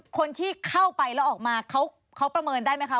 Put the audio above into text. คนที่เข้าไปแล้วออกมาเขาประเมินได้ไหมคะ